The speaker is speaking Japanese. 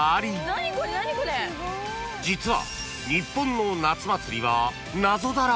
［実は］